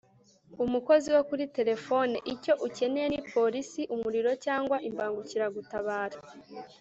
Umukozi wo kuri telefone icyo ukeneye ni Polisi Umuriro cyangwa Imbangukiragutabara